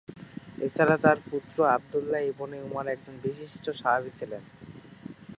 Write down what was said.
এছাড়া তাঁর পুত্র আব্দুল্লাহ ইবনে উমার একজন বিশিষ্ট সাহাবী ছিলেন।